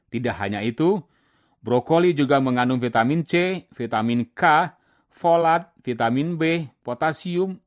tidak hanya itu brokoli juga mengandung vitamin c vitamin k folat vitamin b potasium